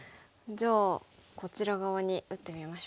じゃあこちら側に打ってみましょうか。